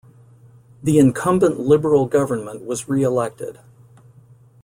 The incumbent Liberal government was re-elected.